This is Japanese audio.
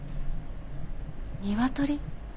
ニワトリ？